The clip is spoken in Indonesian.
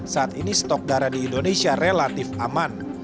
saat ini stok darah di indonesia relatif aman